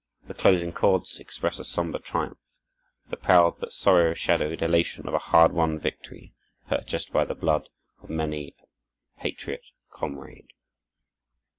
The closing chords express a somber triumph, the proud but sorrow shadowed elation of a hard won victory, purchased by the blood of many a patriot comrade.